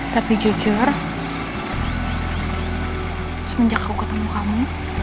tapi jujur semenjak aku ketemu kamu